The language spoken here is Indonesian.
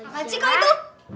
ngerti kau itu